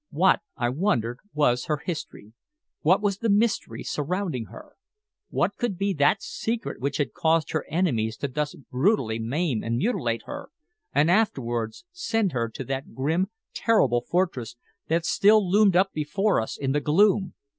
What, I wondered, was her history? What was the mystery surrounding her? What could be that secret which had caused her enemies to thus brutally maim and mutilate her, and afterwards send her to that grim, terrible fortress that still loomed up before us in the gloom?